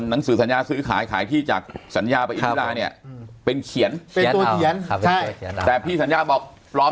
หนังสือสัญญาซื้อขายขายที่จากสัญญาเป็นเขียนสัญญาบอกปลอม